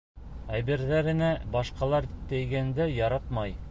Әйберҙәренә башҡалар тейгәнде яратмай.